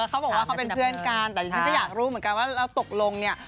เขาบอกว่าเขาเป็นเพื่อนกันแต่ดิฉันก็อยากรู้เหมือนกันว่าเราตกลงเนี่ย